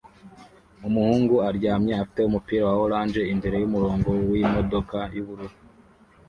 Umuhungu aryamye afite umupira wa orange imbere yumurongo wimodoka yubururu